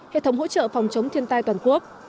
hệ thống hỗ trợ phòng chống thiên tai toàn quốc